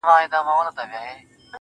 ستا د ښکلي مخ له رويه چي خوښيږي_